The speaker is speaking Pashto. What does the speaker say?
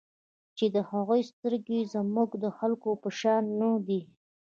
چې د هغوی سترګې زموږ د خلکو په شان نه دي.